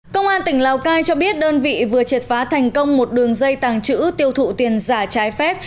công an tỉnh lào cai cho biết đơn vị vừa triệt phá thành công một đường dây tàng trữ tiêu thụ tiền giả trái phép